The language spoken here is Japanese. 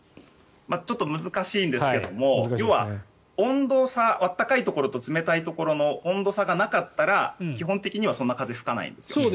ちょっと難しいんですが暖かいところと冷たいところの温度差がなかったら基本的にはそんなに風は吹かないんです。